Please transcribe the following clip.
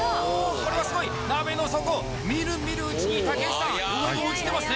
これはすごい鍋の底みるみるうちに竹内さん汚れが落ちてますね